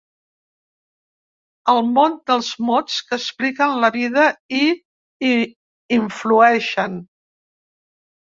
El món dels mots que expliquen la vida i hi influeixen.